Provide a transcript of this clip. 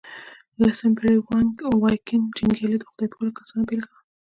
لسمه پېړۍ واکینګ جنګيالي د خدای پالو کسانو بېلګه وه.